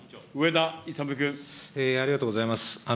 ありがとうございます。